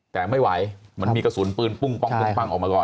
แต่ไม่ไหวมันมีกระสุนปืนปุ้งปั้งออกมาก่อน